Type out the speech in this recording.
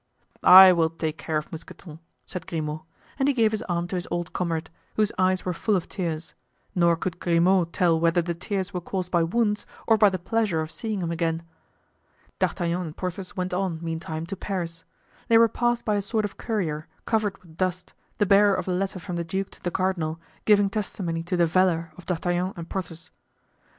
"I will take care of Mousqueton," said Grimaud; and he gave his arm to his old comrade, whose eyes were full of tears, nor could Grimaud tell whether the tears were caused by wounds or by the pleasure of seeing him again. D'Artagnan and Porthos went on, meantime, to Paris. They were passed by a sort of courier, covered with dust, the bearer of a letter from the duke to the cardinal, giving testimony to the valor of D'Artagnan and Porthos.